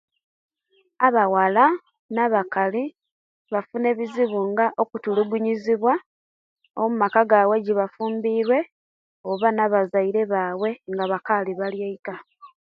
Abowala na bakali bafuna abizibu nga okutulugunyizibwa omaka gaibwe ejebafumbiruwe oba nabazaire baibwe nga baliwaika